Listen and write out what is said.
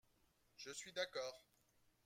Je suis d’accord